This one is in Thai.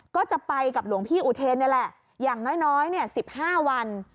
ก็จะไปกับหลวงพี่อุเทนนี่แหละอย่างน้อย๑๕วัน